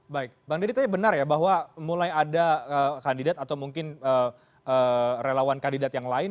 baik bang deddy tapi benar ya bahwa mulai ada kandidat atau mungkin relawan kandidat yang lain